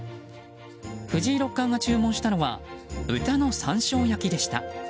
藤井六冠が注文したのは豚の山椒焼きでした。